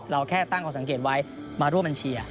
เราแค่ตั้งของสังเกตไว้มาร่วมเชียร์